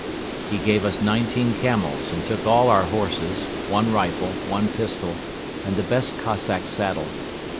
He gave us nineteen camels and took all our horses, one rifle, one pistol and the best Cossack saddle.